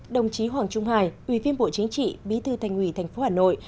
đồng chí hoàng trung hải ủy viên bộ chính trị bí thư thành ủy tp hà nội